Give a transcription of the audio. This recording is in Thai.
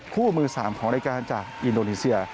คู่มือ๓ของรายการจากอินโดนีเซีย